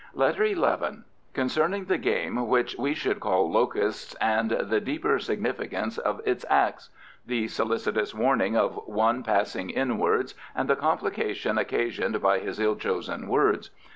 LETTER XI Concerning the game which we should call "Locusts," and the deeper significance of its acts. The solicitous warning of one passing inwards and the complication occasioned by his ill chosen words.